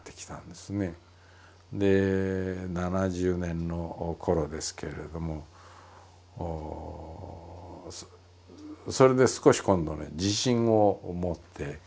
で７０年の頃ですけれどもそれで少し今度ね自信を持ってくるようになりました。